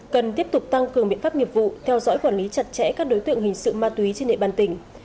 cần tiếp tục tăng cường biện pháp nghiệp vụ theo dõi quản lý chặt chẽ các đối tượng hình sự ma túy trên địa bàn tỉnh